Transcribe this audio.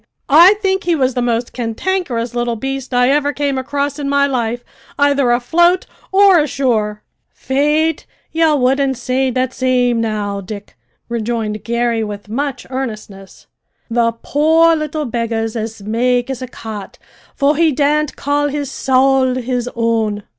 "I think he was the most cantankerous little beast I ever came across in my life, either afloat or ashore!" "Faith, ye wouldn't say that same now, Dick," rejoined Garry with much earnestness. "The poor little beggar's as make as a cat, for he daren't call his sowl his own!"